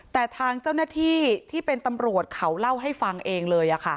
แต่ทางเจ้าหน้าที่ที่เป็นตำรวจเขาเล่าให้ฟังเองเลย